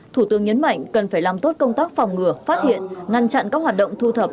thủ tướng nhấn mạnh cần phải làm tốt công tác phòng ngừa phát hiện ngăn chặn các hoạt động thu thập